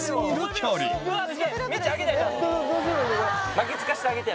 「巻きつかしてあげて」